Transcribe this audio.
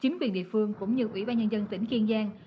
chính quyền địa phương cũng như ủy ban nhân dân tỉnh kiên giang